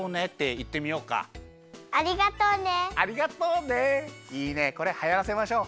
いいねこれはやらせましょう！